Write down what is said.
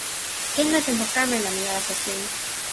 ken la tenpo kama la mi alasa sin.